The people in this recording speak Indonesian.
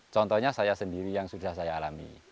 contohnya saya sendiri yang sudah saya alami